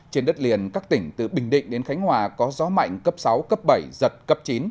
trên đất liền các tỉnh từ bình định đến khánh hòa có gió mạnh cấp sáu cấp bảy giật cấp chín